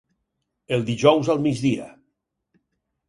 El dijous al migdia.